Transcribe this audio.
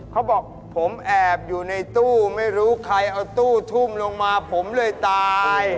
เขาบอกผมแอบอยู่ในตู้ไม่รู้ใครเอาตู้ทุ่มลงมาผมเลยตาย